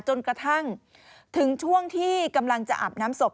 จนกระทั่งถึงช่วงที่กำลังจะอาบน้ำศพ